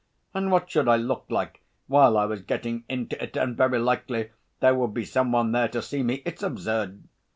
And what should I look like while I was getting into it, and very likely there would be some one there to see me! It's absurd!